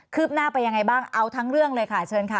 ืบหน้าไปยังไงบ้างเอาทั้งเรื่องเลยค่ะเชิญค่ะ